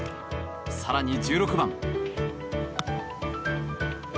更に１６番。